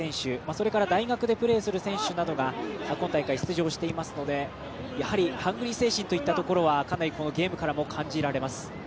それから大学でプレーする選手などが今大会、出場していますのでハングリー精神というのはかなりこのゲームからも感じられます。